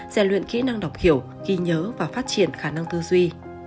dàn luyện kỹ năng đọc hiểu ghi nhớ và phát triển khả năng tư duy